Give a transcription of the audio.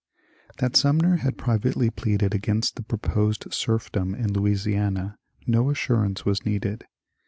That Sumner had privately pleaded against the proposed serfdom in Louisiana no assurance was needed.